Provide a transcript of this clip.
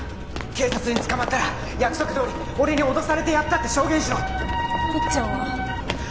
警察に捕まったら約束どおり俺に脅されてやったって証言しろいっちゃんは？